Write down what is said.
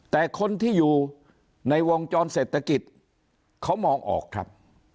แต่คนที่อยู่ในวงจรเศรษฐกิจเขามองออกครับ